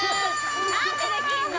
何でできんの？